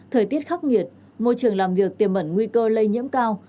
thời tiết khắc nghiệt môi trường làm việc tiềm mẩn nguy cơ lây nhiễm cao